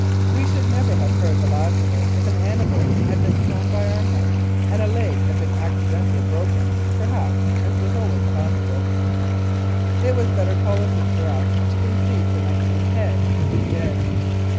We should never have heard the last of it if an animal had been thrown by our men and a leg had been accidentally broken perhaps, as was always possible. It was better policy for us to concede the nineteen head, which we did.